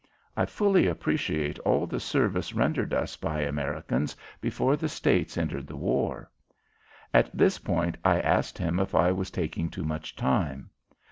I fully appreciate all the service rendered us by Americans before the States entered the war." At this point I asked him if I was taking too much time.